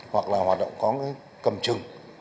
hoặc là hoạt động có cái cầm chừng